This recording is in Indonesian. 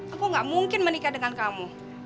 aku gak mungkin menikah dengan kamu